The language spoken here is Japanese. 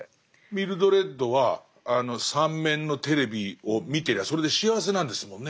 ミルドレッドはあの三面のテレビを見てりゃそれで幸せなんですもんね。